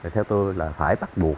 theo tôi là phải bắt buộc